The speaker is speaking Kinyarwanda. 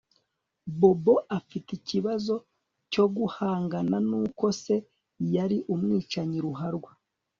Bobo afite ikibazo cyo guhangana nuko se yari umwicanyi ruharwa